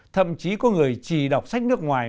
thậm chí có người chỉ đọc sách nước ngoài